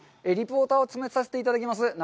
リポーターを務めさせていただきます